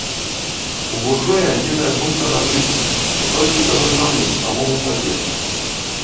У буржуя адзіная думка нажыцца і толькі каб аднаму, самому сабе.